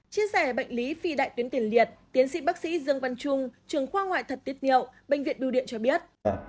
chia sẻ bệnh lý phi đại tuyến tiền liệt tiến sĩ bác sĩ dương văn trung trường khoa ngoại thật tiết nhiệu bệnh viện bưu điện cho biết